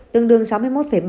tương đương sáu mươi triệu người